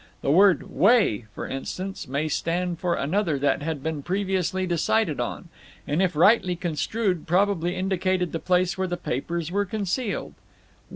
The word "way," for instance, might stand for another that had been previously decided on, and if rightly construed probably indicated the place where the papers were concealed.